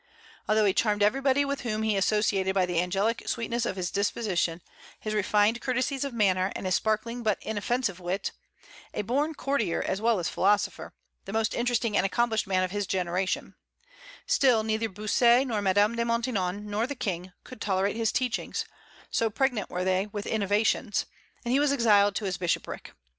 Although he charmed everybody with whom he associated by the angelic sweetness of his disposition, his refined courtesies of manner, and his sparkling but inoffensive wit, a born courtier as well as philosopher, the most interesting and accomplished man of his generation, still, neither Bossuet nor Madame de Maintenon nor the King could tolerate his teachings, so pregnant were they with innovations; and he was exiled to his bishopric.